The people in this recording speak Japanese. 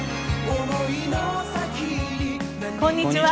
こんにちは。